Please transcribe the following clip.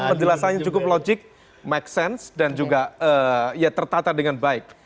penjelasannya cukup logik make sense dan juga ya tertata dengan baik